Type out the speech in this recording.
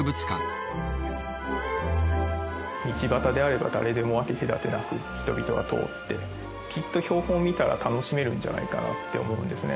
道端であれば誰でも分け隔てなく人々が通ってきっと標本見たら楽しめるんじゃないかなって思うんですね。